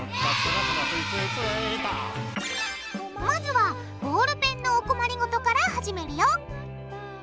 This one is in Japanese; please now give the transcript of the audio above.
まずはボールペンのお困りごとから始めるよ